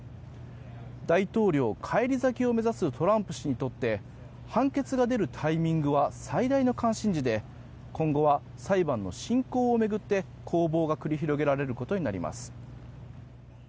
大統領返り咲きを目指すトランプ氏にとって判決が出るタイミングは最大の関心事で今後は裁判の進行を巡って攻防が繰り広げられることになります。